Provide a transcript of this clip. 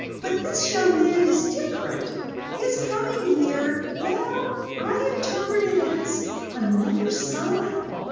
But this young man is different. His coming here well, I interpret it as another sign."